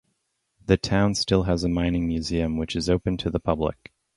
The town still has a mining museum which is open to the public.